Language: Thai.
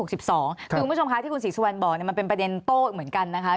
คุณผู้ชมคะที่คุณศรีสุวรรณบอกมันเป็นประเด็นโต้เหมือนกันนะคะ